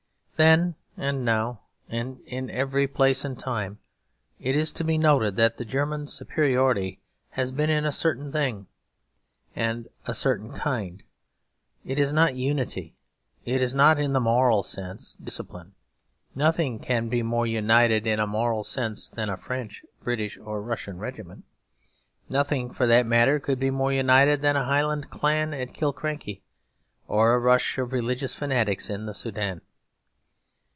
Then and now, and in every place and time, it is to be noted that the German superiority has been in a certain thing and of a certain kind. It is not unity; it is not, in the moral sense, discipline. Nothing can be more united in a moral sense than a French, British, or Russian regiment. Nothing, for that matter, could be more united than a Highland clan at Killiecrankie or a rush of religious fanatics in the Soudan.